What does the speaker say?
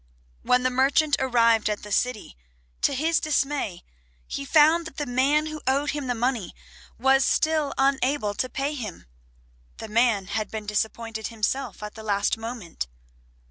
When the merchant arrived at the city, to his dismay he found that the man who owed him the money was still unable to pay him, the man had been disappointed himself at the last moment.